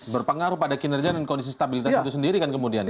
berpengaruh pada kinerja dan kondisi stabilitas itu sendiri kan kemudian ya